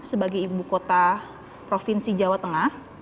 sebagai ibu kota provinsi jawa tengah